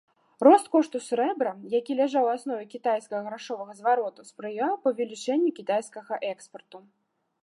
Рост кошту срэбра, які ляжаў у аснове кітайскага грашовага звароту, спрыяў павелічэнню кітайскага экспарту.